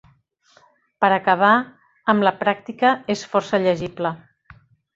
Per acabar, amb la pràctica és força llegible.